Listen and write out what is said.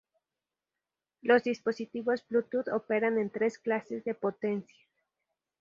Los dispositivos Bluetooth operan en tres clases de potencia.